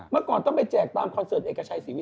เมื่อก่อนต้องไปแจกตามคอนเสิร์ตเอกชัยศรีวิท